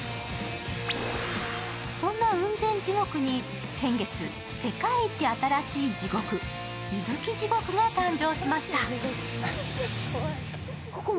そんな雲仙地獄に先月世界一新しい地獄、いぶき地獄が誕生しました。